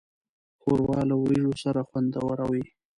ښوروا له وریژو سره خوندوره وي.